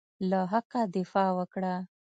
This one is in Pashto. له حقه دفاع وکړه.